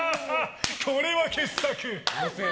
これは傑作。